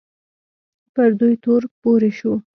پر دوی تور پورې شو